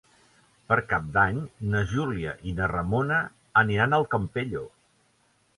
Per Cap d'Any na Júlia i na Ramona aniran al Campello.